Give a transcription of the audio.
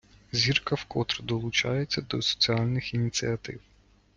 Зірка вкотре долучається до соціальних ініціатив.